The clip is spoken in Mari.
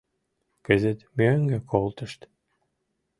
Кызыт мӧҥгӧ колтышт.